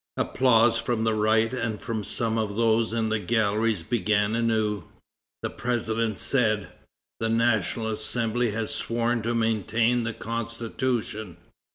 Applause from the right and from some of those in the galleries began anew. The president said: "The National Assembly has sworn to maintain the Constitution.